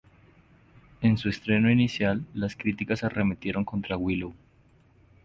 En su estreno inicial, las críticas arremetieron contra Willow.